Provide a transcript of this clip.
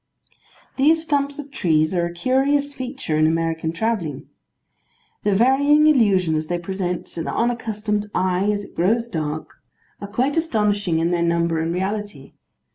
These stumps of trees are a curious feature in American travelling. The varying illusions they present to the unaccustomed eye as it grows dark, are quite astonishing in their number and reality.